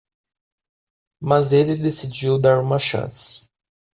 Mas ele decidiu dar uma chance.